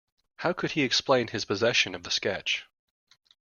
How could he explain his possession of the sketch.